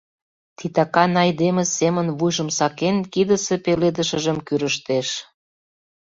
Титакан айдеме семын вуйжым сакен, кидысе пеледышыжым кӱрыштеш.